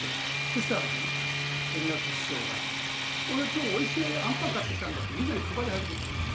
そしたらね、円楽師匠が俺、きょう、おいしいあんパン買ってきたんだって、みんなに配り始めたんです。